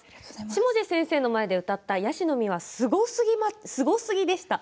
下地先生の前で歌った「椰子の実」は、すごすぎでした。